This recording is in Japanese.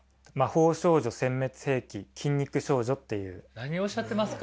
何をおっしゃってますか？